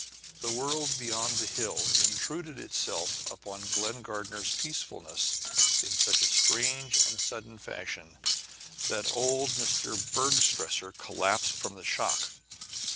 the world beyond the hill intruded itself upon Glen Gardner's peacefulness in such strange and sudden fashion that old Mrs. Bergstresser collapsed from the shock.